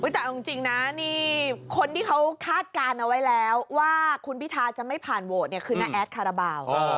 แต่เอาจริงนะนี่คนที่เขาคาดการณ์เอาไว้แล้วว่าคุณพิทาจะไม่ผ่านโหวตเนี่ยคือน้าแอดคาราบาล